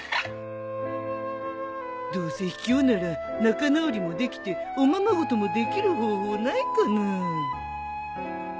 どうせひきょうなら仲直りもできておままごともできる方法ないかなぁ。